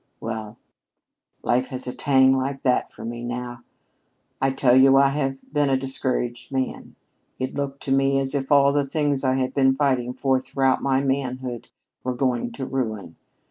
Well, life has a tang like that for me now. I tell you, I have been a discouraged man. It looked to me as if all of the things I had been fighting for throughout my manhood were going to ruin.